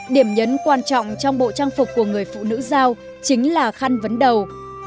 điểm nhấn quan trọng trong bộ trang phục của người phụ nữ giao chính là khăn vấn đầu